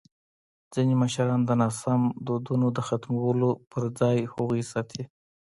ځینې مشران د ناسم دودونو د ختمولو پر ځای هغوی ساتي.